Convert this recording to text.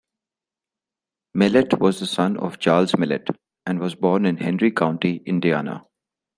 Mellette was the son of Charles Mellette and was born in Henry County, Indiana.